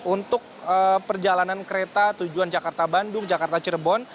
untuk perjalanan kereta tujuan jakarta bandung jakarta cirebon